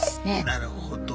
なるほど。